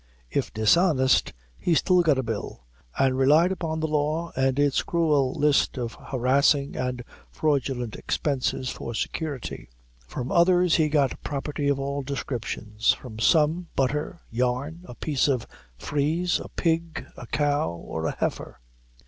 If dishonest, he still got a bill and relied upon the law and its cruel list of harassing and fraudulent expenses for security. From others he got property of all descriptions; from some, butter, yarn, a piece of frieze, a pig, a cow, or a heifer.